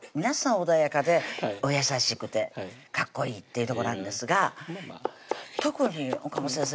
穏やかでお優しくてかっこいいっていうとこなんですが特に岡本先生